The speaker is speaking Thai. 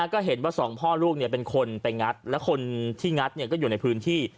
ก็เห็นว่าสองพ่อลูกเป็นคนไปงัดและคนที่งัดก็อยู่ในพื้นที่